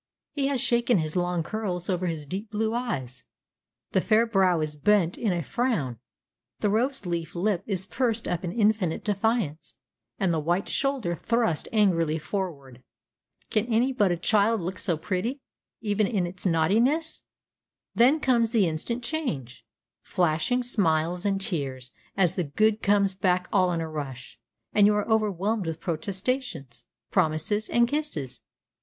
He has shaken his long curls over his deep blue eyes; the fair brow is bent in a frown, the rose leaf lip is pursed up in infinite defiance, and the white shoulder thrust angrily forward. Can any but a child look so pretty, even in its naughtiness? Then comes the instant change; flashing smiles and tears, as the good comes back all in a rush, and you are overwhelmed with protestations, promises, and kisses!